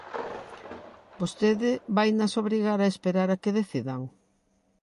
¿Vostede vainas obrigar a esperar a que decidan?